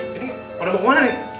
ini pada kemana nih